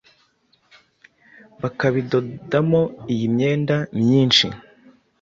bakabidodamo iyi myenda myinshi